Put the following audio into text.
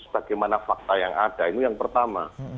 bagaimana fakta yang ada ini yang pertama